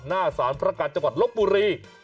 หน้าศาลพระกาศจักรลบบุรี